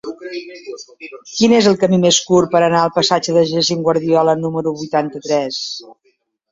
Quin és el camí més curt per anar al passatge de Jacint Guardiola número vuitanta-tres?